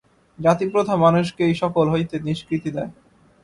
জাতিপ্রথা মানুষকে এই-সকল হইতে নিষ্কৃতি দেয়।